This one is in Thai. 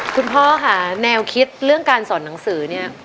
คุณพ่อค่ะแนวคิดเรื่องการสอนหนังสือเนี่ย